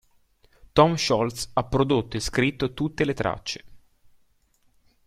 Tom Scholz ha prodotto e scritto tutte le tracce.